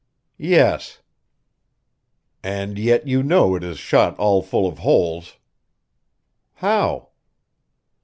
"Yes." "And yet you know it is shot all full of holes." "How?"